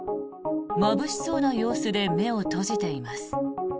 まぶしそうな様子で目を閉じています。